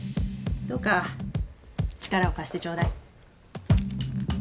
どうか力を貸してちょうだい。